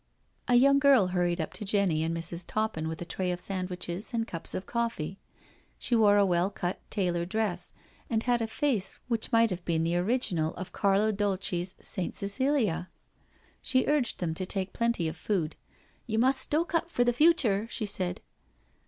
A young girl hurried up to Jenny and Mrs. Toppin with a tray of sandwiches and cups of coffee. She wore a well cut tailor dress and had a face which might have been the original of Carlo Dolci's " Saint Cecilia." She urged them to take plenty of food. " You must stoke up for the future," she said.